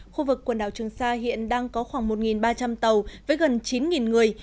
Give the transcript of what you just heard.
khu vực quần đảo trường sa hiện đang có khoảng một ba trăm linh tàu với gần chín người